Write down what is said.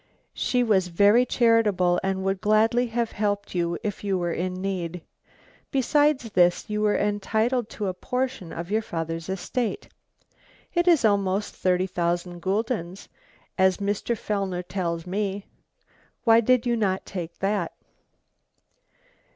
She was very charitable and would gladly have helped you if you were in need. Beside this, you were entitled to a portion of your father's estate. It is almost thirty thousand guldens, as Mr. Fellner tells me. Why did you not take that?"